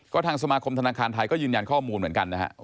ก็ทางสมาคมธนาคารไทยก็ยืนยันข้อมูลเหมือนกันนะฮะ